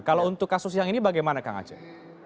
kalau untuk kasus yang ini bagaimana kang aceh